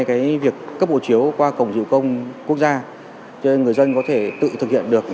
cái việc cấp bộ chiếu qua cổng dự công quốc gia cho nên người dân có thể tự thực hiện được